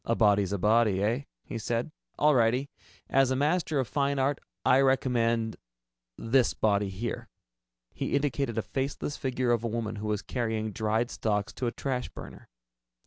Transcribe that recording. "A body's a body, eh?" he said. "All righty. As a master of fine art, I recommend this body here." He indicated a faceless figure of a woman who was carrying dried stalks to a trash burner.